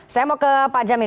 saya mau ke pak jamin